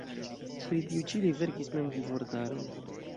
Pri tiu ĉi li verkis mem vortaron.